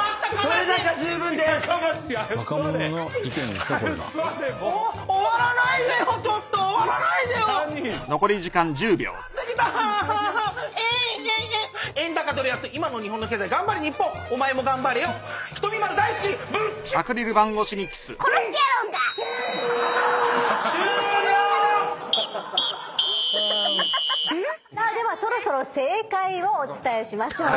さあではそろそろ正解をお伝えしましょう。